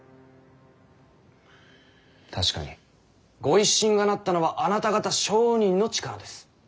確かに御一新がなったのはあなた方商人の力です。